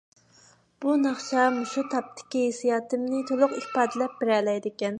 بۇ ناخشا مۇشۇ تاپتىكى ھېسسىياتىمنى تولۇق ئىپادىلەپ بېرەلەيدىكەن.